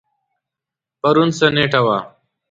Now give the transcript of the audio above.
پرون څه نیټه وه؟